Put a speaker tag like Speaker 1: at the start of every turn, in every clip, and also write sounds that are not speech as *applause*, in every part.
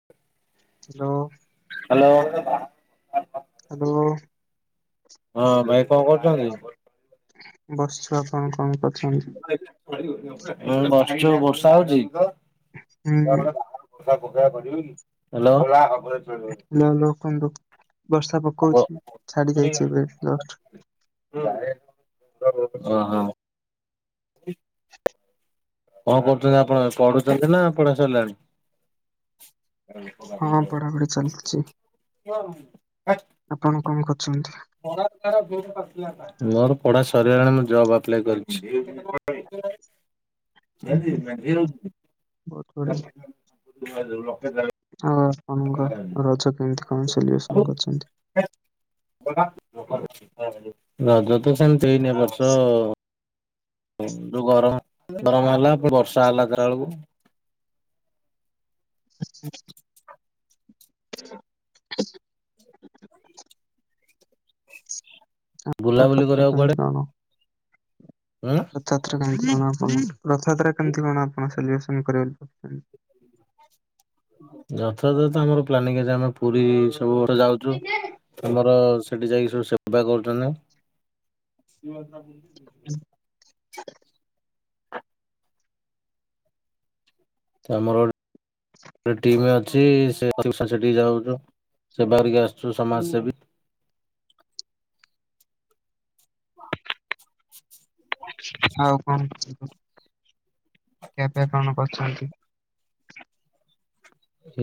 Speaker 1: *inaudible*
Speaker 2: Hello.
Speaker 1: Hello.
Speaker 2: Hello.
Speaker 1: ହଁ ଭାଇ କଣ କରୁଛନ୍ତି।
Speaker 2: ବସିଚି ଆପଣ କଣ କରଛନ୍ତି।
Speaker 1: ଉ ବସିଚୁ ଆଉ ବର୍ଷା ହଉଚି।
Speaker 2: ହୁଁ
Speaker 1: ହ୍ୟାଲୋ।
Speaker 2: ହ୍ୟାଲୋ ହ୍ୟାଲୋ କୁହନ୍ତୁ ବର୍ଷା ପକଉଛି ଛାଡି ଯାଇଛି ଏବେ ଜଷ୍ଟ।
Speaker 1: ଓହୋ। *unintelligible*
Speaker 2: *inaudible*
Speaker 1: କଣ କରୁଛନ୍ତି ଆପଣ ପଢୁଛନ୍ତି ନା ପଢା ସରିଲାଣି।
Speaker 2: ହଁ ପଢାପଢି ଚାଲିଛି।
Speaker 1: *unintelligible*
Speaker 2: ଆପଣ କଣ କରୁଛନ୍ତି।
Speaker 1: *unintelligible* ମୋର ପଢା ସରଗଲାଣି ମୁଁ ଜବ୍ ଆପ୍ଲାଏ କରିଚି।
Speaker 2: *inaudible*
Speaker 1: ନିହାତି *unintelligible*
Speaker 2: ବହୁତ ବଢିଆ
Speaker 1: ଲକ୍ଷେ ଦେଢ଼
Speaker 2: ଆଉ ଆପଣଙ୍କ ରଜ କେମତି କଣ ସେଲିବ୍ରେସନ୍ କରିଛନ୍ତି।
Speaker 1: ରଜ ତ ସେମିତି ହେଇନି ଏଇ ବର୍ଷ ହ ଯୋଉ ଗରମ ଗରମ ହେଲା ବର୍ଷା ହେଲା ଏଗାରବେଳକୁ
Speaker 2: *inaudible* ଆଉ
Speaker 1: ବୁଲାବୁଲି
Speaker 2: ରଥଯାତ୍ରା କେମିତି କଣ
Speaker 1: ଉଁ।
Speaker 2: ରଥଯାତ୍ରା କେମିତି କଣ ଆପଣଙ୍କ ରଥଯାତ୍ରା କେମିତି କଣ ଆପଣ ସେଲେବ୍ରେସନ୍ କରିବେ।
Speaker 1: ରଥଯାତ୍ରା ତ ଆମର ପ୍ଲାନିଂ ହେବ ଆମେ ପୁରୀ ସବୁ ବର୍ଷ ଯାଉଛୁ। ଆମର ସେଠି ଯାଇକି ସବୁ ସେବା କରୁଛନ୍ତି।
Speaker 2: *unintelligible*
Speaker 1: ତ ଆମର ଗୋଟେ ଟିମ୍ ଅଛି ସେ ସେଠିକି ଯାଉଛୁ ସେବା କରିକି ଆସୁଛୁ ସମାଜ ସେବୀ।
Speaker 2: ଆଉ କଣ କରୁଚ ଖିଆ ପିଆ କଣ କରୁଛନ୍ତି।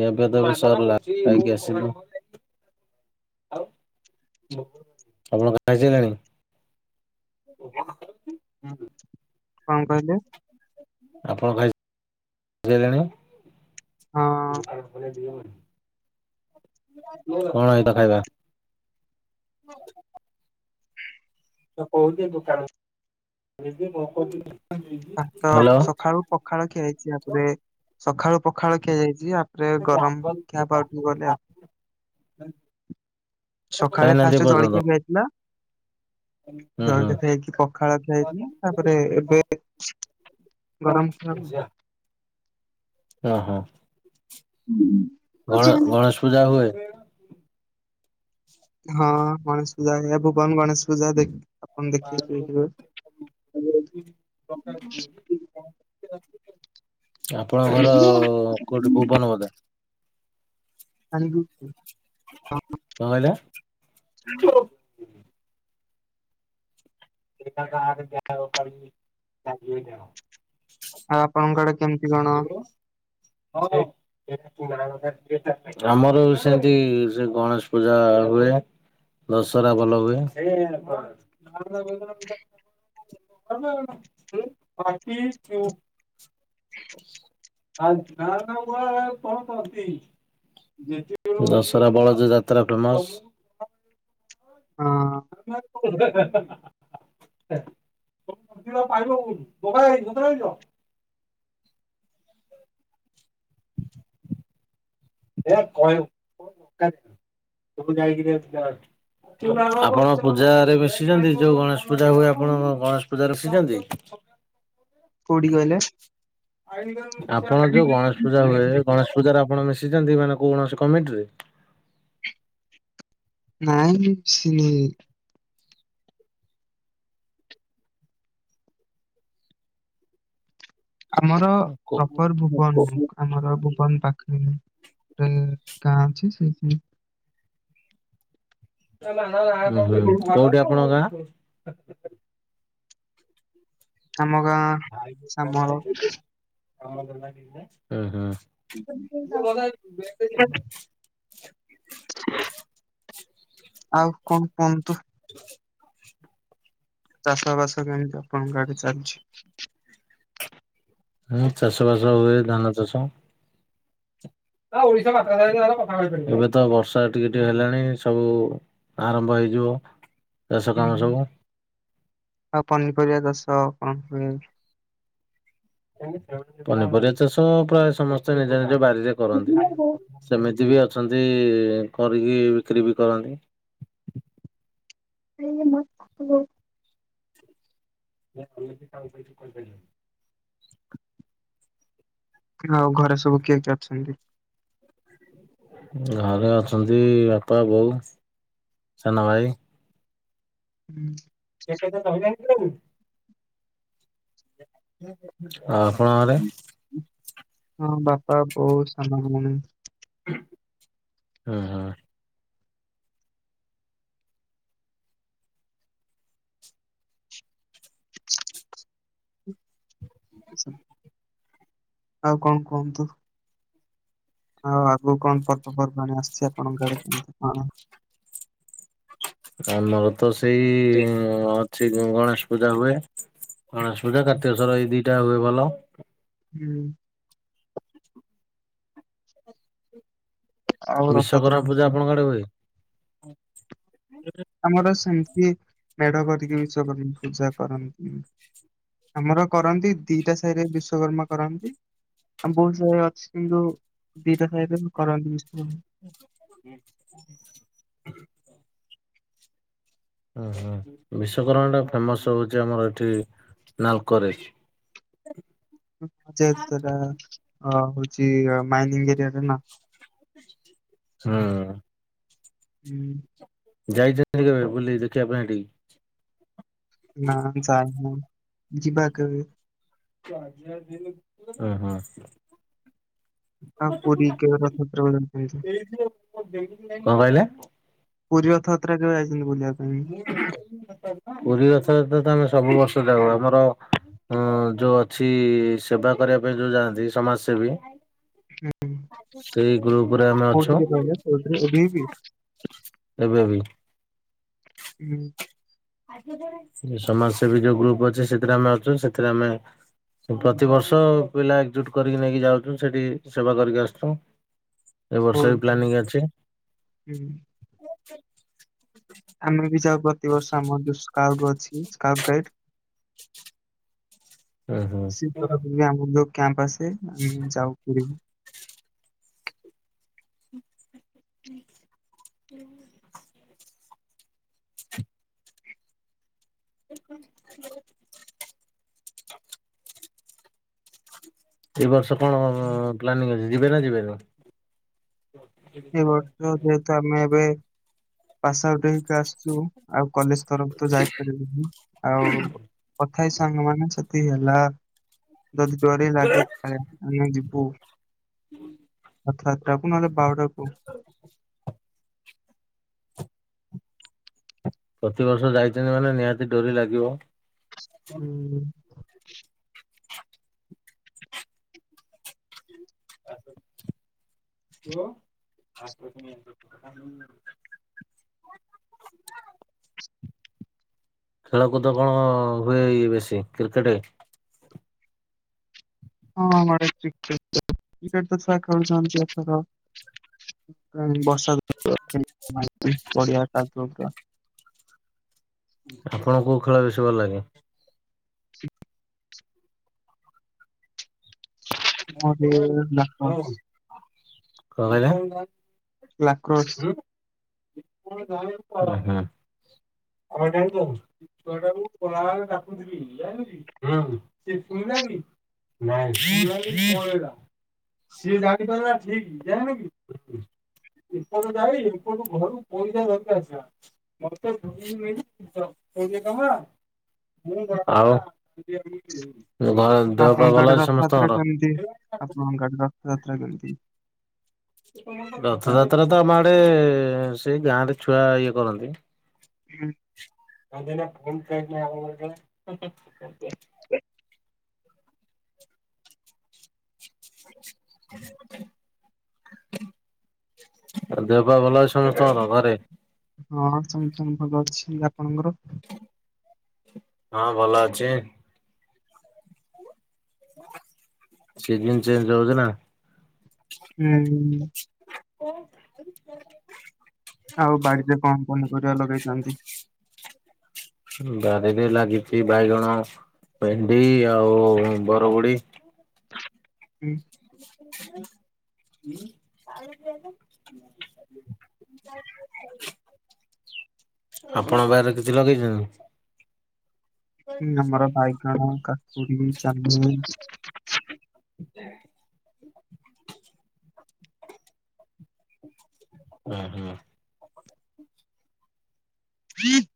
Speaker 1: ଏବେ ତବେ ସରିଲା ଖାଇକି ଆସିଲୁ। ଆପଣ ଖାଇ ସାଲେଣି। *unintelligible*
Speaker 2: କଂ କହିଲେ?
Speaker 1: ଆପଣ ଖାଇ ସାଲେଣି?
Speaker 2: ହଁ
Speaker 1: କଣ ଏ ତ ଖାଇବା? ମୁ କହୁଛିି ଦୋକାନି ମୁଁ କହୁଥିଲି।
Speaker 2: ତା ତ ସଖଳୁ ପଖାଳ ଖିଆଯାଇଛି ତାପରେ ସକାଳୁ ପଖାଳ ଖିଆଯାଇଛି। ରେ ଗରମ ଖିଆ ହବ ଆଉଟିି କେ ଗଲେ ଆଉ। ସକାଳେ
Speaker 1: ଖାଇନାହାନ୍ତି
Speaker 2: ଫାଷ୍ଟ
Speaker 1: ଏପର୍ଯ୍ୟନ୍ତ
Speaker 2: ଜଳଖିଆ ଖିଆ ହେଇଥିଲା।
Speaker 1: ହୁଁ ହୁଁ।
Speaker 2: ଜଳଖିଆ ଖାଇକି ପଖାଳ ଖାଇକି ତାପରେ ଏବେ - - ଗରମ *unintelligible*
Speaker 1: ହଁ ହଁ।
Speaker 2: ହୁଁଁ।
Speaker 1: ଗଣ ଗଣେଶ ପୂଜା ହୁଏ?
Speaker 2: ହଁ ଗଣେଶ ପୂଜା ଭୁବନ ଗଣେଶ ପୂଜା ଦେ ଆପଣ ଦେଖଥିବ?
Speaker 1: ଆପଣ ଘର କୋଉଠି ଭୁବନ ବଦେ? *unintelligible*
Speaker 2: *unintelligible*
Speaker 1: କଂ କହିଲେ?
Speaker 2: ହୁଁ।
Speaker 1: *unintelligible*
Speaker 2: ଆଉ ଆପଣଙ୍କ ଆଡେ କେମିତି କଣ?
Speaker 1: *unintelligible* ଆମର ସେମତି ସେ ଗଣେଶ ପୂଜା ହୁଏ। ଦଶହରା ଭଲ ହୁଏ। *unintelligible* *unintelligible* କଂ କରୁଚି। ଦଶହରା ବଳଦ ଯାତ୍ରା ଫେମସ।
Speaker 2: ହଁ
Speaker 1: ହେଁ ହା ହା ହା। *unintelligible* *unintelligible* ଆପଣ ପୂଜାରେରେ ବଶିଛନ୍ତି ଯୋଉ ଗଣେଶ ପୂଜା ହୁଏ ଆପଣ ଗଣେଶ ପୂଜା ଶିଛନ୍ତି।
Speaker 2: କୋଡି କହଲେ?
Speaker 1: ଆପଣ ଯୋଉ ଗଣେଶ ପୂଜା ହୁଏ। ଗଣେଶ ପୂଜାରେ ଆପଣ ମିଶିଛନ୍ତି ମାନେ କ କଣସି କମିଟିରେ?
Speaker 2: ନାଇଁ କିଛି ଆମର ପ୍ରପର ଭବନ। ଆମର ଭୁବନ ପାଖରେ ଗାଁ ଅଛି ସେଠି
Speaker 1: କୋଉଠି ଆପଣଙ୍କ ଗାଁ?
Speaker 2: ଆମ ଗାଁ ସାମଳ।
Speaker 1: *unintelligible*
Speaker 2: ଆଉ କଂ କୁହନ୍ତୁ? ଚାଷ ବାସ କେମିତି ଆପଣଙ୍କ ଆଡେ ଚାଲିଛି?
Speaker 1: ହୁଁ ଚାଷ ବାସ ହୁଏ। ଧାନ ଚାଷ। ଏବେ ତ ବର୍ଷା ଟିକେ ଟିକେ ହେଲାଣି ସବୁ ଆରମ୍ଭ ହେଇଯିବ। ଚାଷ କାମ
Speaker 2: ହୁଁ
Speaker 1: ସବୁ।
Speaker 2: ଆଉ ପନିପରିବା ଦଶ କଣ
Speaker 1: ପନିପରିବା ଚାଷ ପ୍ରାୟ ସମସ୍ତେ ନିଜ ନିଜ ବାରିରେ କରନ୍ତି। ସେମିତି ବି ଅଛନ୍ତି କରିକି ବିକ୍ରି ବି କରନ୍ତି।
Speaker 2: *unintelligible*
Speaker 1: ନା ଆ କାମ କରଛିୁ କ। *unintelligible*
Speaker 2: ଆଉ ଘରେ ସବୁ କିଏ କିଏ ଅଛନ୍ତି?
Speaker 1: ଘରେ ଅଛନ୍ତି ବାପା, ବୋଉ, ସାନ ଭାଇ।
Speaker 2: ହୁଁ।
Speaker 1: ସେ କ ନ?? *unintelligible* *unintelligible* ହଁ ଆପଣଙ୍କ ଘରେ।
Speaker 2: ହଁ ବାପା, ବୋଉ, ସାନ ଭଉଣୀ।
Speaker 1: ହଁ ହଁ।
Speaker 2: ଆଛା। *unintelligible* ଆଉ କଣ କୁହନ୍ତୁ? ଆଉ ଆଗକୁ କଣ ପର୍ବପର୍ବାଣି ଆସିଛି ଆପଣଙ୍କ ଆଡେ କେମିତି କଣ
Speaker 1: ଆମର ତ ସେଇ ଅଛି ଗଣେଶ ପୂଜା ହୁଏ ଗଣେଶ ପୂଜା କାର୍ତ୍ତିକ ସ୍ୱର ଏଇ ଦିଇଟା ହୁଏ ଭଲ।
Speaker 2: ହୁଁ। ଆଉ ରଥଯାତ୍ରା
Speaker 1: ବିଶ୍ଵକର୍ମା ପୂଜା ଆପଣଙ୍କଆଡେ ହୁଏ?
Speaker 2: ଆମର ସେମିତି ମେଢ କରିକି ବିଶ୍ୱକର୍ମା ପୂଜା କରନ୍ତି। ଆମର କରନ୍ତି ଦିଟା ସାହିରେ ବିଶ୍ଵକର୍ମା କରନ୍ତି। ଆମ ବହୁତ ସାହି ରେ ଅଛି ଗୋ ଦି ଟା ସାାଇରେ କରନ୍ତି ବିଶ୍ୱକର୍ମା।
Speaker 1: ଓ ହୁଁ ବିଶ୍ଵକର୍ମା ଟା ଫେମସ ହଉଛି ଆମର ଏଠି ନାଲକୋ ରେ।
Speaker 2: ଜେହେ ତୁ ସେଟା ହଉଛି ମାଇନିଂ ଏରିଆରେ ନା।
Speaker 1: ହୁଁ।
Speaker 2: ହୁଁ।
Speaker 1: ଯାଇଛନ୍ତି କେବେ ବୁଲି ଦେଖିବା ପାଇଁ ସେଠି କି?
Speaker 2: ନା ସାର ମୁଁ ଯିିବା କେବେ।
Speaker 1: *unintelligible* ହୁଁ ହୁଁ।
Speaker 2: ଆଉ ପୁରୀ କେବେ ରଥଯାତ୍ରା ବେଳେ ଯାଇଛନ୍ତି
Speaker 1: *inaudible* କଣ କହଲେ?
Speaker 2: ପୁରୀ ରଥଯାତ୍ରା କେବେ ଯାଇଛନ୍ତି ବୁଲିବାକୁ?
Speaker 1: *inaudible* ପୁରୀ ରଥଯାତ୍ରା ତ ଆମେ ସବୁ ବର୍ଷ ଯାଉ ଆମର ହଁ ଯୋଉ ଅଛି ସେବା କରିବା ପାଇଁ ଯୋଉ ଯାଆନ୍ତି ସମାଜ ସେବୀ
Speaker 2: ହୁଁ,
Speaker 1: ସେଇ ଗ୍ରୁପ ରେ ଆମେ ଅଛୁ।
Speaker 2: କୋଉଥିରେ କହିଲେ କୋଉଥିରେ ଓଭିପି
Speaker 1: ଏବେ ବି।
Speaker 2: ହୁଁ।
Speaker 1: ସମାଜ ସେବୀ ଯୋଉ ଗ୍ରୁପ ଅଛି ସେଥିରେ ଆମେ ଅଛୁ ସେଥିରେ ଆମେ ପ୍ରତିିବର୍ଷ ପିଲା ଏକଜୁଟ କରିକି ନେଇକି ଯାଉଛୁ ସେଠି ସେବା କରିକି ଆସୁଛୁ। ଏ ବର୍ଷ ବି ପ୍ଲାନିଂ ଅଛି।
Speaker 2: ହୁଁ। ଆମେ ବି ଯାଉ ପ୍ରତିବର୍ଷ ଆମର ଯୋଉ ସ୍କାଉଟ ଅଛି ସ୍କାଉଟ ଗାଇଡ।
Speaker 1: ହୁଁ ହୁଁ
Speaker 2: ସିପା ପାଖରୁ ବି ଆମ *unintelligible* କ୍ୟାମ୍ପ୍ ଆସେ ଆମେ ଯାଉ ପୁରୀକୁ।
Speaker 1: *unintelligible* *inaudible* *inaudible* ଏଇ ବର୍ଷ କଣ ପ୍ଲାନିଂ ଅଛି ଯିବେ ନା ଯିବେନି?
Speaker 2: ଏ ବର୍ଷ ଯେ ତୋମେ ଏବେ ପାସ୍ ଆଉଟ୍ ହେଇକି ଆସିଚୁ, ଆଉ କଲେଜ୍ ତରଫ ତ ଯାଇପାରିବୁନି। ଆଉ *unintelligible* ଥାଇ ସାଙ୍ଗ ମାନ ଯଦି ହେଲା ଯଦି ଡରି ଲାଗେ ଥାଏ ଆମେ ଭାଇ ଯିବୁ। ରଥଯାତ୍ରା କୁ ନହଲେ ବାହୁଡା କୁୁ।
Speaker 1: ପ୍ରତିବର୍ଷ ଯାଇଛନ୍ତି ମାନେ ନିହାତି ଡରି ଲାଗିବ।
Speaker 2: ହୁଁ।
Speaker 1: *unintelligible* ଖେଳକୁଦ କଣ ହୁଏ ଏଇ ବେଶୀ କ୍ରିକେଟେ?
Speaker 2: ହଁ ଆମ ଆଡେ କ୍ରିକେଟ୍, କିକେଟ୍ ତ ଛୁଆ ଖେଳୁଛନ୍ତି ଏଥର। *unintelligible* ବର୍ଷା *inaudible* ପଡିଆ କାଦୁଅ ପୁରା।
Speaker 1: ଆପଣ କୋଉ ଖେଳ ବେଶୀ ଭଲ ଲାଗେ?
Speaker 2: ମୋତେ *unintelligible*
Speaker 1: କଣ କହିଲ?
Speaker 2: ଲାକ୍ର।
Speaker 1: ଓ ହଁ। ଛୁଆ ଟା କୁ ମୁଁ ଗଲାବେଳେ ଡାକୁଥିବି ଏମତି ସେ ଶୁଣିଲାନି। ନାଇଁ। ସିଏ ଜାଣିପାରିଲା ଠିକି ଜାଣିଲୁ କି? ଏପର୍ଯ୍ଯନ୍ତ ଜାଣିଲୁ। ଆପଣଙ୍କ ଘରୁ ପଇସା ଦରକାର ଥିଲା, ମୋତେ *unintelligible* ଆଉ *unintelligible*
Speaker 2: ଆପଣଙ୍କ
Speaker 1: ଭଲ
Speaker 2: ଆଡେ
Speaker 1: ଅଛି
Speaker 2: ରଥଯାତ୍ରା
Speaker 1: ସମସ୍ତଙ୍କର?
Speaker 2: କେମତି, ଆପଣଙ୍କ ଆଡେ ରଥଯାତ୍ରା କେମିତି *unintelligible*
Speaker 1: ରଥଯାତ୍ରା ତ ଆମ ଆଡେ ସେ ଗାଁରେ ଛୁଆ ଇଏ କରନ୍ତି।
Speaker 2: ହୁଁ।
Speaker 1: *unintelligible* ନା ଫୋନ୍ ପେ ନା କଣ ଗୋଟେ *unintelligible*
Speaker 2: ଏ
Speaker 1: ଆଉ ଦେହପା ଭଲ ଅଛି ସମସ୍ତଙ୍କର ଘରେ?
Speaker 2: ହଁ ସମସ୍ତଙ୍କ ଭଲ ଅଛି, ଆପଣଙ୍କର?
Speaker 1: ହଁ ଭଲ ଅଛି। ସିଜନ୍ ଚେଞ୍ଜ ହଉଛି ନା।
Speaker 2: ହୁଁ।
Speaker 1: ଓ *inaudible*
Speaker 2: ଆଉ ବାଡିରେ କଣ ପନିପରିବା ଲଗେଇଛନ୍ତି?
Speaker 1: ହୁଁ, ବାରିରେ ଲାଗିଛି ବାଇଗଣ, ଭେଣ୍ଡି ଆଉ ବରବୁଡି।
Speaker 2: ହୁଁ।
Speaker 1: *inaudible* ଆପଣ ବାରିରେ କିଛି ଲଗେଇଛନ୍ତି ନା?
Speaker 2: ହୁଁ, ଆମର ବାଇଗଣ, କାକୁଡି *unintelligible*
Speaker 1: ଓ ହଁ।
Speaker 2: *inaudible*